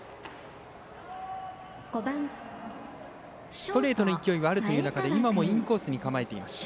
ストレートの勢いはあるという中で今もインコースに構えていました。